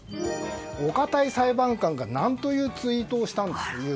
おかたい裁判官が何というツイートをしたんだと。